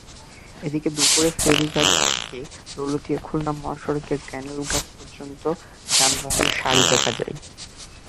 এদিকে দুপুরে ফেরিঘাট থেকে দৌলতদিয়া-খুলনা মহাসড়কের ক্যানাল ঘাট পর্যন্ত যানবাহনের সারি দেখা যায়।